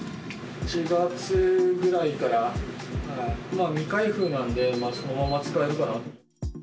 ４月ぐらいから未開封なんで、そのまま使えるかなと。